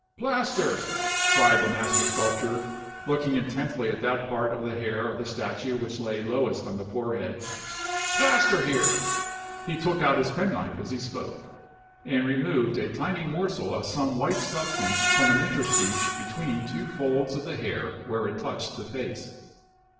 "Plaster!" cried the master sculptor, looking intently at that part of the hair of the statue which lay lowest on the forehead. "Plaster here!" He took out his penknife as he spoke, and removed a tiny morsel of some white substance from an interstice between two folds of the hair where it touched the face.